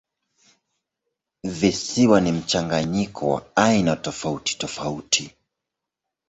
Visiwa ni mchanganyiko wa aina tofautitofauti.